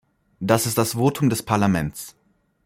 Das ist das Votum des Parlaments.